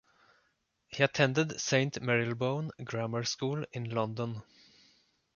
He attended Saint Marylebone Grammar School in London.